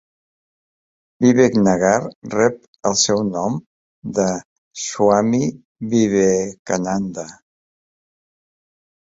Vivek Nagar rep el seu nom de Swami Vivekananda.